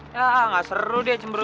tidak seru dia cemburu